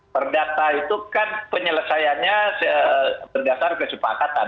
perdata itu kan penyelesaiannya berdasar kesepakatan